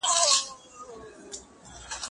هغه وويل چي مڼې صحي دي!.